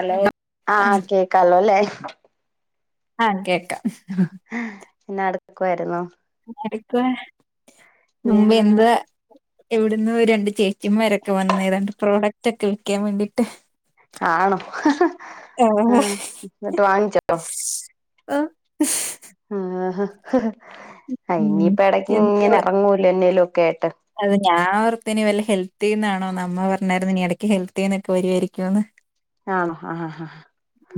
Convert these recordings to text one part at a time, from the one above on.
Hello hello ആ കേക്കാലോ ല്ലേ ആക്കെ പിന്നെ അടുക്കുവായിരുന്നൂ [unintelligible] ഞാ [unintelligible] എവിട്ന്നോ രണ്ട് ചെ ചിമാരൊക്കെ വന്ന് രണ്ട് പ്രോഡ [unintelligible] വേണ്ടീട്ട് ആണോ ആഹ് ആ എന്നിട്ട് വാങ്ങിച്ച് ഇട്ടോ അ ആഹ് ഉം അയ്നിപ്പെടെക്ക് എന്തോ ഇങ്ങനെ ഇറങ്ങൂല്ലേ എന്തേ ലൊക്കെ- കേട്ട അത് ഞാ ഓർത്തനി വല്ല ഹെൽത്തിന്നാണോന്നമ്മ പർണായിരുന്നിനി എടക്ക് ഹെൽത്തിന്നൊക്കെ വരുവായിരിക്കുന്ന് - ആണോ ഹ ഹ ഹഹ്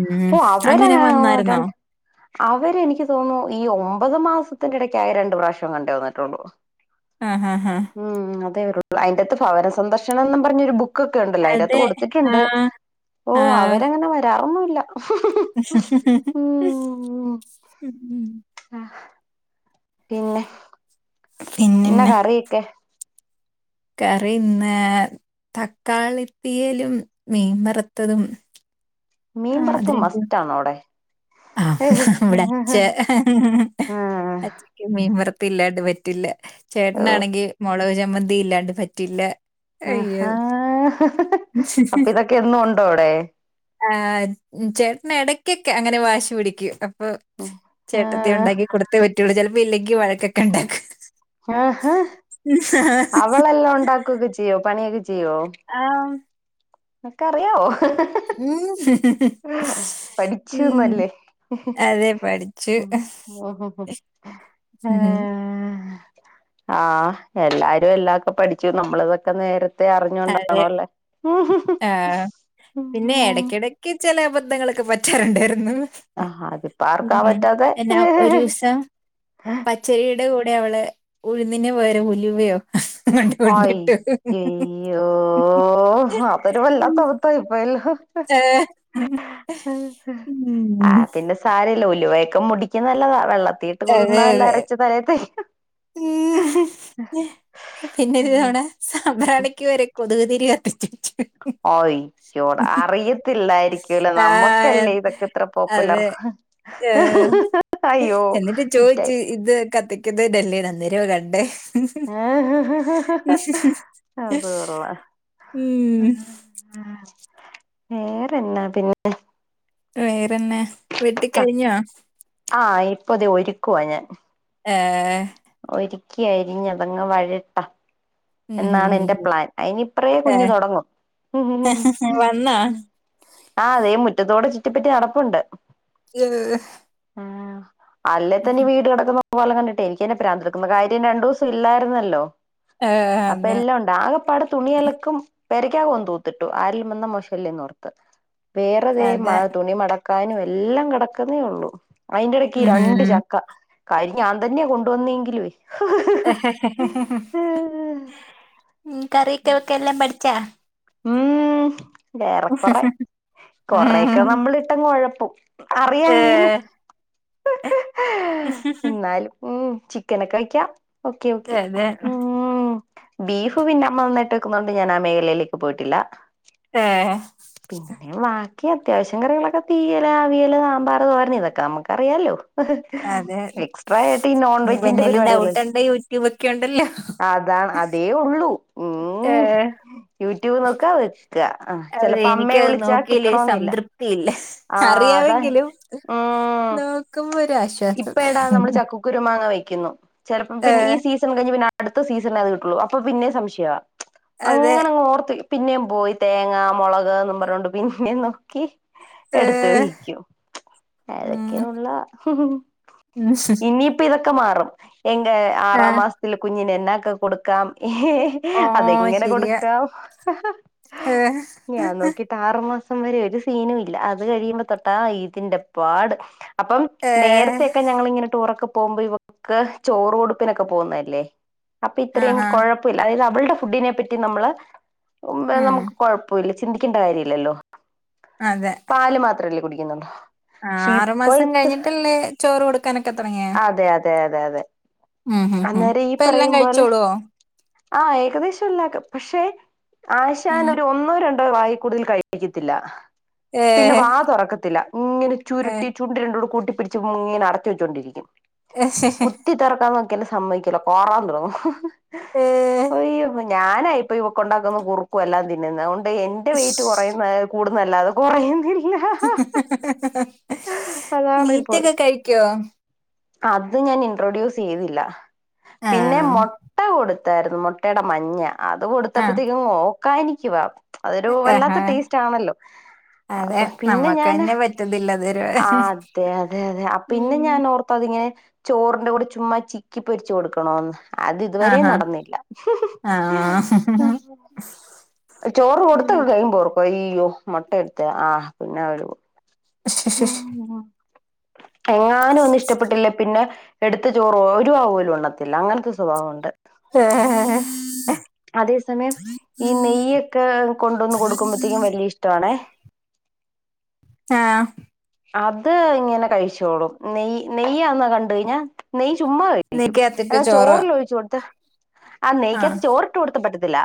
ഉം ഓ അവര അങ്ങനെ ഓ രൺ വന്നായിരുന്നോ അവരെനിക്ക് തോന്നു ഈ ഒമ്പത് മാസ ത്തിന്റെടക്കാകെ രണ്ട് പ്രാവശ്യം ആണ്ടെ വന്നിട്ടുള്ളൂ- ആഹാ ഹാ ഹ് അയ്ന്റെത്ത് ഭവന സന്ദർശനം ന്നും പർഞ്ഞൊരു ബു ക്കൊക്കെണ്ട്ലെ അയ്നത്ത് അതെ കൊട്ത്ത്ട്ട്ണ്ട് ആഹ് ഓ ആഹ് അവരങ്ങനെ വരാറൊന്നുൽ ല്ല ഉം പിന്നെ ന്ന കറിക്കെ കറിന്ന് തക്കാളിതീയലും മീൻവറത്തതും മീൻവറത്ത് മസ്റ്റ് ആണോ അവിടെ ആ ആഹ് ഇവടെ അഛ അച്ചക്ക് മീൻ വറ ത്തിലാണ്ട് പറ്റില്ല ഓ ചേട്ടനാണെങ്കി മോളച മന്തി ഇല്ലാണ്ട് പറ്റില്ല അയ്യോ! ആഹാ അപ്പൊ ഇതക്കെ എന്നും ഉണ്ടോ അവിടെ ന്നെ ഇടക്കൊക്കെ അങ്ങനെ വ ശുവിടിക്ക് ആ ചേട്ടത്തി ആഹ് ഉണ്ടാക്കി കൊടുത്തേ വി ട്ടിയോള് ചെലപ്പോ ഇല്ലെങ്കി വഴക്കക്കെ ഇണ്ടാക്ക് ആ ഹാ അവളെല്ലാം ഉണ്ടാക്കുക്കെ ചെയ്യോ പണിയൊക്കെ ചെയ്യോ നെനക്കറിയാവോ? മ് ഹ് [unintelligible] പഠിച്ചുന്നല്ലേ [unintelligible] അതെ പഠിച്ചു. ഉം. ആ എല്ലാരും എല്ലാക്കെ പഠിച്ചു നമ്മളതൊക്കെ നേര ദേ അതെ. അറിഞ്ഞോണ്ടാണോല്ലേ മ് ചെല അബദ്ധങ്ങളക്ക പറ്റാറുണ്ടായിര് മ് ആഹ് അതിപ്പോ ആർക്കാ എന്നാ പറ്റാത്തെ ഒരൂസം പച്ചരീടെ കൂ എവ്ളെ ഉഴുന്നിന് പകരം ഉലുവയോ വണ്ടി കൊണ്ടിട്ട് ഓ ഹോ അതൊരു വല്ലാത്തബദ്ധായിപ്പോയ ഇ ഹൊ ഏ മ് മ് ലുവേക്ക മുടിക്ക് നല്ലതാ വെള്ള ത്തീട്ട് കൊതുന്നല്ല അരച്ച് തലേത്തേ മ് മ് ഞ്ഞെ പിൻ ന്നൊരു തേയ് തവണ സാമ്പ്രാണിക്ക് വരെ കൊതുക്‌തിരി കത്തിച്ച് ഓയ് യ്യോടാ അറിയത്തില്ലായ് ക്കൂല ആ നമ്മക്കല്ലേ ഇതക്കെ ഇത്ര പോപ്പുലർ. അതെ ഏഹ്. അയ്യോ വിറ്റായി. കത്തിക്കുന്നേന്റല്ലേ അന്നേരവാ കണ്ടേ. അത് കൊള്ളാ ഉം ആ വേറെന്നാ പിന്നെ വേ പിന്നെ വെട്ടിക്കഴിഞ്ഞാ ഇപ്പതേ ഒരുക്കുവാ ഞാൻ ഏ ഒരിക്കി അരിഞ്ഞ് അതങ്ങ് വഴട്ടാം ഉം ഹും എന്നാണ് ഹും എന്റെ ഹും. പ്ലാൻ അയിനിപ്പരേ കുഞ്ഞ് ഏഹ് തുടങ്ങും മ്ഹ് വന്നാ? മ്ഹ് ആ തേ മു തോടെ ചുറ്റിപ്പറ്റി നടപ്പുണ്ട് ഏഹ് അല്ലേ തന്നെ വീട് കിടക്കുന്ന കോലം കണ്ടിട്ട് എനിക്കന്നെ പ്രാന്തെടുക്കുന്നു. കാര്യം രണ്ടൂസം ഇല്ലായിരുന്നല്ലോ. ഏഹ് അപ്പൊ അതെ എല്ലാം ഉണ്ട് ആകെപ്പാടെ തുണിഅലക്കും പേരക്കാകം ഒന്ന് തൂത്തിട്ടു ആരേലും വന്നാൽ മോശമല്ലേയെന്നോർത്തു വേറെ ദേ അതെ മഴ തുണിമടക്ക ക്കാനും എല്ലാം കിടക്കുന്നേ ഉള്ളൂ അയിന്റെ ഇടയ്ക്ക് ഈ രണ്ട് ഉം. ചക്ക കാര്യം ഞാൻ തന്നെയാ കൊണ്ടുവന്നേങ്കിലുവേ ഉം കറീക്കെ വെക്കാൻ എല്ലാം പഠി [unintelligible] ഉംഹ് ഏറെ കുറെ കൊറെയൊക്കെ നമ്മളിട്ടങ്ങ് ഒഴപ്പ പ്പും അറിയാങ്കിലും ഏഹ് എന്നാലും മ്ഹ് ചിക്കനൊക്കെ വെയ്ക്കാം ഓക്കെ ഓക്കെ അതെ മ്ഹ് ബീഫ് പിന്നെ അമ്മ നന്നായിട്ട് വെക്കുന്നോണ്ട് ഞാൻ ആ മേഖലയിലേക്ക് പോയിട്ടില്ല ഏഹ് പിന്നെ ബാ ക്ക് അത്യാവശ്യം കറികളൊക്കെ തീയല്, അവിയല്, സാമ്പാറ്, തോരന് ഇതൊക്കെ നമുക്ക് അറിയാലോ അതെ. എക്സ്ട്രാ ആയിട്ട് ഈ നോൺ ഇനിപ്പ വെജ്ജിന്റെ എന്തേലും പരിപാടികള് ഡൗട്ടുണ്ടെ യൂട്യൂബൊക്കെ ഉണ്ടല്ലോ. അതാണ് അതേ ഉള്ളു ഏഹ് മ്ഹ് യൂട്യൂബ് നോക്കുക വെക്ക് അതെ എനിക്കത് നോക്കീലേ കിട്ടണോന്നില്ല സംതൃപ്തിയില്ല ആ അതാ അറിയാമെങ്കിലും ഉം നോക്കുമ്പോ ഒരു ആശ്വാസം ക്കുന്നു. ചെലപ്പം പിന്നെ ഈ സീസൺ കഴിഞ്ഞ് പിന്നെ അ അടുത്ത സീസണെ അത് കിട്ടുള്ളൂ അപ്പൊ പിന്നേം സംശയാ അതെ അങ്ങനെങ്ങോ പിന്നേം പോയി തേങ്ങ മുളക് എന്നും പറഞ്ഞോണ്ട് പിന്നേം നോക്കി ഏഹ് എടുതൊഴിക്കും ഉം അതൊക്കെയുള്ളോ ഉം ഇനിപ്പോ ഇതൊക്കെ മാറും എന്റെ ആറാം ആഹ് മാസത്തില് കുഞ്ഞിന് എന്നാക്കൊ കൊടുക്കാം ഏ ഓഹ് അതെങ്ങനെ ശരിയാ. കൊടുക്കാം ഏഹ് ഞാൻ നോക്കിട്ട് ആറ് റ് മാസം വരെ ഒരു സീനും ഇല്ല അത് കഴിയുമ്പോ തൊട്ടാ ഇതിന്റെപ്പാട് അപ്പം ഏഹ് നേരത്തൊക്കെ ഞങ്ങളിങ്ങനെ ടൂറൊക്കെ പോകുമ്പോ ഇവക്ക് ചോറ് കൊടുപ്പിനൊക്കെ പോകുന്നെയല്ലേ അപ്പൊ ഇത്രയും ആഹാ കൊഴപ്പില്ല അതിനാ ഇവൾടെ ഫുഡിനെ പറ്റി നമ്മള് മുമ്പേ ഉം നമ്മുക്ക് കൊഴപ്പമില്ല ചിന്തിക്കണ്ട കാര്യല്ലല്ലോ പാല് മാത്രല്ലേ കുടി കുടിക്കുന്നുടോ ആ ആറുമാസം കഴിഞ്ഞിട്ടല്ലേ ചോറ് കൊടു ക്കാനൊക്കെ തൊടങ്ങിയെ തെ അതെ ഉം ഉം ഉം ഇപ്പ എല്ലാം കഴിച്ചോളോ ആഹ് ഏകദേശം എല്ലാക്കെ പക്ഷെ ആശാൻ ഉം ഒരു ഒന്നോ രണ്ട ടൊ വായി കൂടുതൽ കഴിപ്പിക്കത്തില്ല പിന്നെ ഏഹ് വാ തൊറക്കത്തില്ല ഇങ്ങനെ ചുരുട്ടി ഏഹ് ചുണ്ട് രണ്ടും കൂടെ കൂട്ടി പിടിച്ച് മൂങ്ങനെ അടച്ച് വെച്ചുകൊണ്ടിരിക്കും കുത്തി തൊറക്കാൻ നോക് പിന്നെ സമ്മതിക്കൂല കാറാൻ തൊടങ്ങും ഏഹ് ഒയ്യോ ഞാനാ ഇപ്പൊ ഇവക്ക് ഉണ്ടാക്കുന്ന കുറുക്കും എല്ലാം തിന്നുന്നത് എന്റെ വെയ്റ്റ് കൊറയുന്നയാ കൂടു നാല്ലാദേ കുറയുന്നില്ല അതണ് പോയി മീറ്റൊക്കെ കഴിക്കോ അത് ഞാൻ ഇൻട്രൊഡ്യൂസ് ചെയ്തില്ല പിന്നെ ആഹ് മുട്ട കൊടുത്ത് താരുന്നു മുട്ടേടെ മഞ്ഞ അത് ആഹ് കൊടുത്തപ്പത്തേക്കും മൊ കായ നിക്കി വാപ്പ് അതൊരു ആഹാ വല്ലാത്ത ടേസ്റ്റ് ആണല്ലോ അതെ അപ്പൊ പിന്നെ നമ്മക്ക് ഞാന് തന്നെ പറ്റുന്നില്ല ഇതുവരെ ആ അതെ അതെതെ പിന്നെ ഞാൻ ഉം ഓർ ഇങ്ങനെ ചോറിന്റെ കൂടെ ചുമ്മാ ചിക്കി പൊരിച്ച് കൊടുക്കണോന്ന് അത് ഇതുവരേ ആഹാ നടന്നില്ല ആഹ് ചോറ് കൊടുത്തൊക്കെ കഴിയുമ്പോ അയ്യോ മുട്ട എടുത്ത ആ പിന്നെ അവ [inaudible] എങ്ങാനും ഒന്നും ഇഷ്ടപ്പെട്ടില്ലേ പിന്നെ എടുത്ത ചോറ് ഒരു വ പോലും ഉണ്ണത്തില്ല അങ്ങനത്തെ സ്വഭാവണ്ട് ആഹ [inaudible] അതേ സമയം ഈ നെയ്യൊക്കെ കൊണ്ടുവന്ന് കൊടുക്കുമ്പോത്തേക്കും വലിയ ഇഷ്ടവാണേ ആ അത് ഇങ്ങനെ കഴിച്ചോളും നെയ്യ് നെയ്യാന്ന കണ്ട കഴിഞ്ഞ നെയ് ചുമ്മാ കഴിക്കും നെയ്ക്കകത്തിട്ട് എന്നാ ചോറ് ചോറിലൊഴിച്ചു കൊടുത്ത ആ നെയക്കത്ത് ചോർ പറ്റത്തില്ല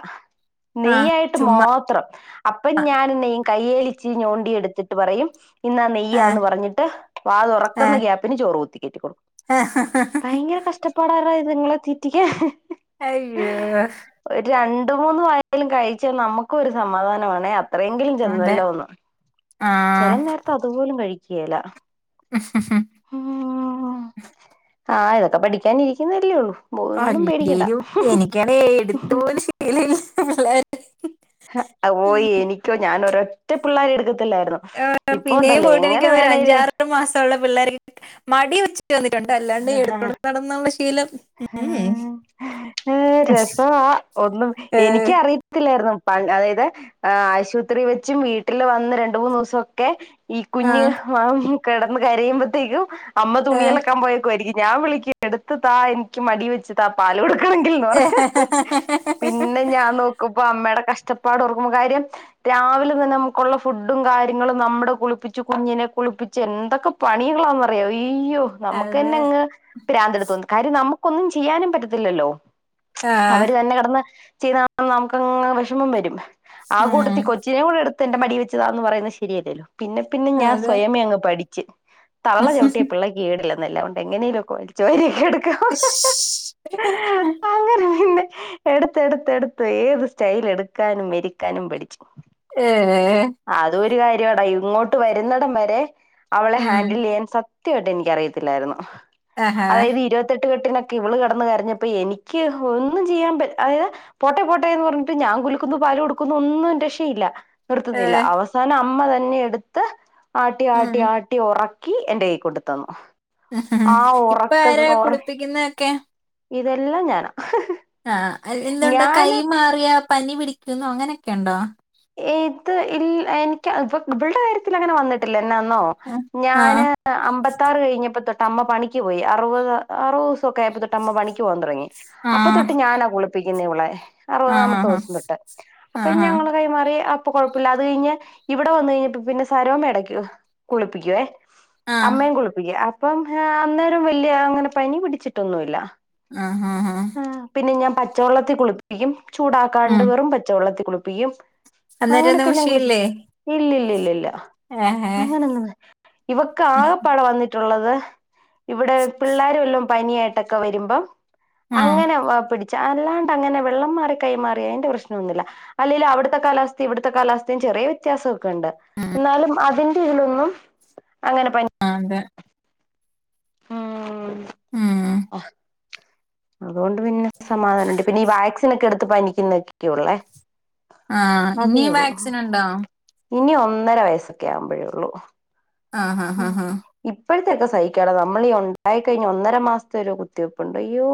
ആ നെയ് ആയിട്ട് ചുമ്മാ മാത്രം അപ്പം ഞാൻ നെയ് കയ്യേലിചിരിഞ്ഞോണ്ടി എടുത്തിട്ട് പറയും ഇന്നാ ആ നെയ്യാന്ന് പറഞ്ഞിട്ട് വാ ആ തുറക്കുന്ന ഗ്യാപ്പിന് ചോറ് കുത്തി കയറ്റി കൊടുക്കും ആ ഭയങ്കര കഷ്ടപ്പാടാരു ഇതിങ്ങളെ തീറ്റിക്കാ അയ്യോ രണ്ട് മൂന്ന് വായേലും കഴിച്ചാൽ നമുക്കും ഒരു സമാധാനമാണേ അത്രയെങ്കിലും അതെ ചെന്നലോന്നു ആ ചില നേരത്തെ അതുപോലും കഴിക്ക ക്കേലാ [unintelligible] ഒക്കെ പഠിക്കാനിരിക്കുന്നതല്ലേ ഉള്ളൂ ഒന്നും പേടിക്കണ്ട അല്ലേലും എനിക്കങ്ങനെ എടു ത്ത് പോലും ശീലല്ല ഹും ഓയ് എനിക്കോ ഞാനൊരു റ്റെ പിള്ളേരെ എടുക്കും ഏ പിന്നെയും പോയിട്ട് എനിക്ക് തോന്നണു ഒരു വേണേലും അഞ്ചാറെട്ട് മാസള്ള പിള്ളേർ മടി പിടി ചെന്നിട്ടുണ്ട് അല്ലാണ്ട് എടു [unintelligible] ഏ രസവാ ഒന്നും ഏ, എനിക്കറിയത്തില്ലായിരുന്നു. പണ്ട്‌ അതായത് ആശുപത്രി വെച്ചും വീട്ടിൽ വന്ന് രണ്ട്‌ മൂന്ന്‌ ദിവസൊക്കെ ഈ ആ, കുഞ്ഞ് കെടന്ന് കരയുമ്പത്തേക്കും. അമ്മ ഏ, തുണിയലക്കാ പോയേ ക്കുവായിരിക്കും. ഞാൻ വിളിക്ക് എടുത്ത് തായ് മടി വെച്ച് താ പാല് കൊ ടുക്കണെങ്കിൽ ന്ന് ഏ. പറിം. പിന്നെ ഞാൻ നോക്കുമ്പോ അമ്മയുടെ കഷ് ട്ടപ്പാടോർക്കുമ്പോ കാര്യം രാവിലെ തന്നെ നമുക്കുള്ള ഫുഡും കാര്യങ്ങളും നമ്മുടെ കുളിപ്പിച്ച് കുഞ്ഞിനെ കുളിപ്പിച്ച് എന്തൊക്കെ പണികളാണന്നറിയോ ഈ അയ്യോ നമുക്ക് തന്നെ അതെ അങ്ങ് പ്രാന്തെടു തോന്നും കാര്യം നമു ഒന്നും ചെയ്യാനും പറ്റത്തില്ലല്ലോ. ആ അവര് തന്നെ കട്ന്ന് ചെയ്ത നമുക്കങ്ങ് വെഷമം വരും. ആ കൂട്ടത്തി ഉം, കൊച്ചിനേം കൂടി എടു എന്റെ മടി വെച്ച് താന്ന് പറയുന്നത് ശരിയല്ലേല്ലോ. പിന്നെ പിന്നെ ഞാൻ അതെ സ്വയമേ അങ്ങ് പഠി ചെ തള്ള ചൗട്ടിയാ പിള്ളക്ക് കേടില്ല. നല്ലതൊണ്ട് എങ്ങനെലോ ചോലി യൊക്കെ എടുക്കു [unintelligible] പിന്നെ എടുത്തട്ത്തട്ത്ത് ഏത് സ്റ്റൈൽ എട്ക്കാനും മെരിക്കാനും പഠിച് ഏഹ ട ഇങ്ങോട്ട് വരുന്നടം വരെ അവളെ ഉം ഹാൻഡിലെയ്യാൻ കൊർ കൃത്യമായിട്ട് എനിക്കറിയത്തില്ലായിര്ന്നു ആഹാ അതായത് ഇരുപത്തട്ട് ട്ട്കെട്ടിനൊക്കെ ഇവള് കെട്ന്ന് കരഞ്ഞപ്പോ എനിക്ക് ഒന്നും ചെയ്യാൻ പറ്റ് അയയ പോട്ടെ പോട്ടേന്ന് പർഞ്ഞിട്ട് ഞാൻ കുലുക്കുന്നു പാല് കൊടുക്കുന്നു ഒന്നും രക്ഷയില്ല നിർത്തുന്നില്ല ഏഹ് അവസാനം അമ്മ വ തന്നെ എടുത്ത് ആട്ടി ഉം ആട്ടി ആട്ടി ഉറ കീ എന്റെ കയ് കൊണ്ട് തന്നു ആ ഉറക്ക ഇപ്പൊര ഉറ കുളിപ്പിക്കുന്നെ കേ ഇതെല്ലാം ഞാന ആഹ അല്ൽ എന്തുണ്ട് കൈ മാറിയ പനി പിടിക്കുന്നു അങ്ങനെയൊക്കെണ്ടോ ഏത് ഇൽ എനിക്ക് ഇപ്പ ഇവള്ടെ കാര്യത്തിൽ അങ്ങനെ വന്നിട്ടില്ല ന്നോ ആഹ് ആഹ് ഞാന് അമ്പത്താറ് കഴിഞ്ഞപ്പോ തൊ അമ്മ പണി ക്ക് പോയി അറുപത് അറുത തിവസൊക്കെ ആയപ്പ അമ്മ പണിക്ക് പോവാൻ തുടങ്ങി അപ്പൊ തൊട്ട് ഞാനാ കുളിപി ന്നിവളെ ആഹ് അറുപതാമത്തെ ആഹ് ദിവസം തോട്ട് അപ്പൊ ആഹ് ഞങ്ങള് മാറ അപ്പൊ കുഴപ്പില്ല അത് കഴിഞ്ഞ ഇവിടെ വന്ന കഴിഞ്ഞപ്പ പിന്നെ സരവ മേടക്ക് കുളിപ്പിക്കുവേ ആഹ് അമ്മേയും കുളുപ്പികും ആ അപ്പം അന്നേരം വല്യ അങ്ങനെ പനി പിടിച്ചിട്ടൊന്നുമില്ല ആഹ ആഹ ആഹ ആ, പിന്നെ ഞാൻ പച്ചവെള്ളത്തിൽ കുളിപ്പിക്കും ചൂടാക്കാണ്ട് ഉം വെറും പച്ചവെള്ളത്തിൽ കുളുപ്പിക്കും അന്നേരം ഓശിയില്ലേ ഇല്ല ല്ല അങ്ങനെന്ന ഇവക്ക് ഉം ആകപ്പാടം വന്നിട്ട ട്ടു ള്ളത് ഇവിടെ പിള്ളേരു വല്ലാം പനിയായിട്ടൊക്കെ വരുമ്പോം ഉം അങ്ങനെ വ പിടി അല്ലാണ്ട് അങ്ങനെ വെള്ളം മാറി കൈമാറി അതിന്റെ പ്രശനൊന്നുമില്ല അലേലും അവിടുത്തെ അവിടെത്തെ കാലസ്ഥ ഇവിടുത്തെ കാലസ്ഥ ചെറിയ വ്യത്യാസം ണ്ട് ഉം. എന്നാലും അതി തിലൊന്നും ആ അതെ ഉം ഉം ആഹ് അതുകൊണ്ട് പിന്നെ സമാധാനം ഉണ്ട് പിന്നെ ഈ വക്സിൻ ഒക്കെ എടുത്ത് പനിക്കുന്നൊക്കെള്ളേ ആ ഇന്നിം വാക്സിൻ ഉണ്ടോ ഇനി ഒന്നര വയസ്സൊക്കെ ആവുമ്പോഴേള്ളു ആആആഹ് ആഹ ഇപ്പോഴത്തെൊക്കെ സഹിക്കടോ നമ്മളീ ഉണ്ടായി കഴിഞ്ഞഞ് ഒന്നര മാസത്തെ ഒരു കുത്തിവെപ്പുണ്ട് അയ്യോ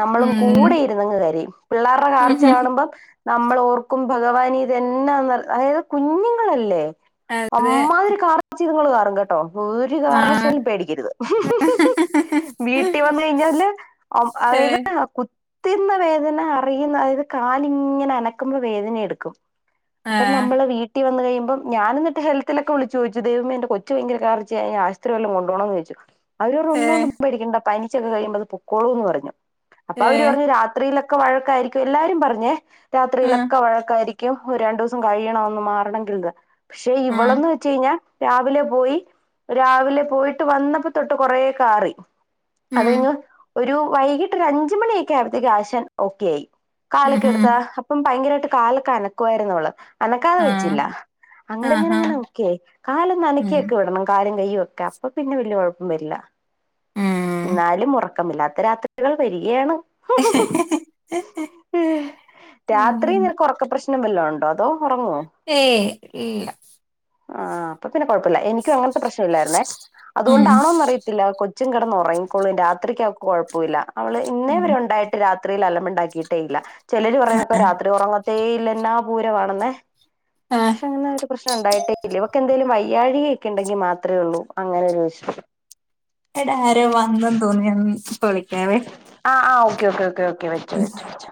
നമ്മളും ഉം കൂടെ ഇരുന്നങ്ങ് കരയും പിള്ളേരുടെ കാർച്ച ഉം. കാണു.. നമ്മളോർക്കും ഭഗവാനേ ഇത എന്നാ അതായത് കുഞ്ഞുങ്ങളല്ലേ അതെ നിങ്ങൾ കറും കേട്ടോ [unintelligible] ഒരു ആഹ് കാരണവശാലും പേടിക്കരുത് മഹ്ഹ്ഹ വീട്ടിൽ വന്ന് കഴിഞ്ഞാല് അതായത് ഏഹ് തിന്ന വേദന അറിയുന്ന അതായത് കാലിങ്ങനെ അനക്കുമ്പോൾ വേദന എടുക്കും അപ്പൊ ആഹ് നമ്മള് വീട്ടിൽ വന്ന് കഴ അപ്പം ഞാനെന്നിട്ട് ഹെൽത്തിലൊക്കെ ചോദിച്ചു ദേൈവമേ എന്റെ കൊച്ചുഭയങ്കര കാർച്ചയാ ഇനി ആശുപത്രിയിൽ വല്ലോം കൊണ്ടുപോണോന്ന് ചോദിച്ചു അവരുപറഞ്ഞു ഏഹ് ഒന്നുകൊണ്ടുംപേടിക്കണ്ട പനി കുറച്ചൊക്കെ കഴിയുമ്പോൾ അത് പൊക്കോളുമെന്ന് പറഞ്ഞു അപ്പൊ അവര് ഏഹ് പറഞ്ഞ് രാത്രിയിലാ ക്കെ വഴക്കായിരിക്കും എല്ലാരും പറഞ്ഞ് ആഹ് രാത്രിയിലക്കെ വഴക്കായിരിക്കും യ്യോ രണ്ടു ദിവസം കഴിയണം ഒന്ന് മാറണങ്കിൽ പക്ഷെ ഇവളെന്ന് വെച്ച് കഴിഞ്ഞാൽ രാവിലെ പോയി രാവിലെ പോയിട്ട് വന്നപ്പോ തൊട്ട് കൊറേ കാറി അത് കഴിഞ്ഞു ഒരു വൈകിട്ട് ഒരു അഞ്ചു മണി ആയപ്പോൾ ഉം. ഉം, കാലൊക്കെ ഉം, എടുത്താ അപ്പം ഭയങ്കര കാലൊക്കെ അനക്കുുവായിരുന്നുള്ളത് അനക്കാതെ ആ, വെച്ചില്ല അങ്ങനെ ആഹാ, അങ്ങനെങ്ങനെ ഒക്കെ. ആയി കാലൊന്ന് അനക്കി ഉം, വിടണം കാലും കയ്യും ഒക്കെ അപ്പൊ പിന്നെ വലിയ കുഴപ്പം വരില്ല ഉം. പക്കമില്ലാത്ത രാത്രികൾ വരികയാണ് രാത്രി ഉം. നിനക്ക ഉറക്ക പ്രശ്ന വല്ല ഉണ്ടോ അതോ ഉറങ്ങുവോ ഏയ് ഇല്ല ആഹ് അപ്പൊ പിന്നെ കൊഴപ്പില്ല. എനിക്കും അങ്ങനത്തെ പ്രശ്നൊല്ലായിരുന്നേ. ഉം അത്കൊണ്ടാണോന്നറിയത്തില്ല, കൊച് കൊച്ചും കെടന്നോ? ഒറങ്ങിക്കോളും. രാത്രിക്കാ കൊഴപ് പ്പില്ല. അവള് ഉം. ഇന്നേവരെ ഉണ്ടായിട്ട് രാത് ഇത്രേല് അലമ്പ്ണ്ടാക്കീട്ട് ഇല്ല ചിലര് പറയപ്പം ആ, രാത്രി ഉറങ്ങു ഈലെന്നാ പൂരമാണെന്നേ ആ, ക്ഷണായി പ്രശ്ന ഉണ്ടായിട്ടേ ഇല്ല ഇവക്ക് എന്തേലും വയ്യാഴികയക്കെ ഉണ്ടെങ്കി മാത്രമേ ഉള്ളൂ അങ്ങനെ ഒരു വിശ എട ആരോ വന്നന്ന് തോന്നുന്നു ഞാൻ [unintelligible] പ്പവ്ളിക്കാവേ ആ ആ ഓക്ക ഒക്കേ ഓക്കെ വെച്ചോ വെച്ചോ വെച്ചോ